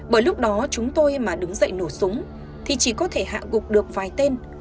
bởi lúc đó chúng tôi mà đứng dậy nổ súng thì chỉ có thể hạ gục được vài tên